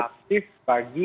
bagi proses kita berjalan